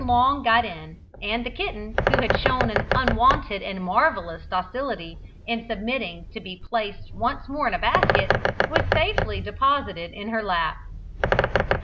Long got in, and the kitten, who had shown an unwonted and marvellous docility in submitting to be placed once more in a basket, was safely deposited in her lap.